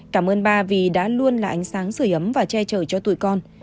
cảm ơn ba vì đã luôn là ánh sáng sửa ấm và che chở cho tụi con